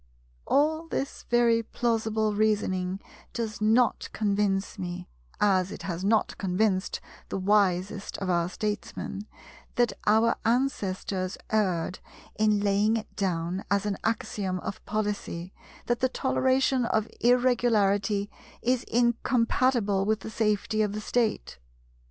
All this very plausible reasoning does not convince me, as it has not convinced the wisest of our Statesmen, that our ancestors erred in laying it down as an axiom of policy that the toleration of Irregularity is incompatible with the safety of the State.